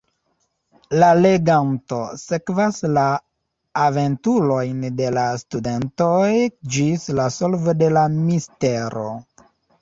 La leganto sekvas la aventurojn de la studentoj ĝis la solvo de la mistero.